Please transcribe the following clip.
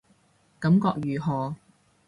感覺如何